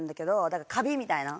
だからカビみたいな。